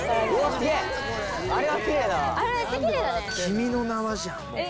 『君の名は。』じゃん。